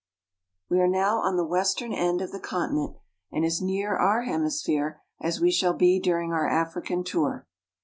We are now on the western end ^^H of the continent and as near our hemisphere as we shall be ^^H during our African tour.